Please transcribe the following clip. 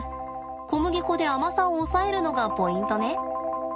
小麦粉で甘さを抑えるのがポイントね。